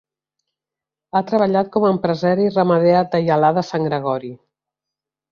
Ha treballat com a empresari ramader a Taialà de Sant Gregori.